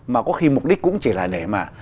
mà có khi mục đích cũng chỉ là để mà